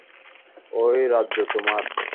এই রাজ্য তোমার?